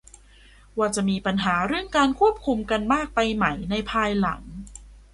ว่าจะมีปัญหาเรื่องการควบคุมกันมากไปไหมในภายหลัง